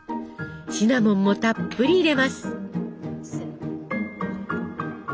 シナモンもたっぷり入れます。